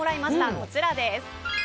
こちらです。